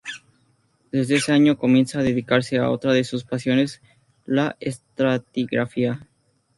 Desde ese año comienza a dedicarse a otra de sus pasiones: la estratigrafía.